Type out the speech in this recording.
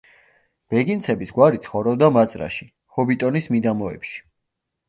ბეგინსების გვარი ცხოვრობდა მაზრაში, ჰობიტონის მიდამოებში.